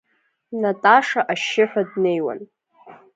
Наташа ашьшьыҳәа днеиуан.